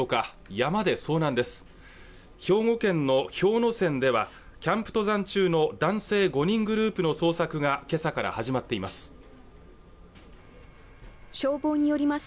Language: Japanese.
山ではキャンプ登山中の男性５人グループの捜索が今朝から始まっています